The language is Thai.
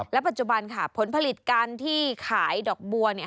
ปัจจุบันค่ะผลผลิตการที่ขายดอกบัวเนี่ย